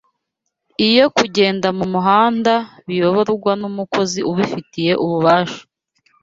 iyo kugenda mu muhanda biyoborwa n’umukozi ubifitiye ububasha